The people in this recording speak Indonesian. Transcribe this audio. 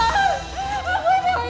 masa tintan gak ada disini